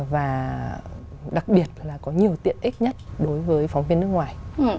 và đặc biệt là có nhiều tiện ích nhất đối với phóng viên nước ngoài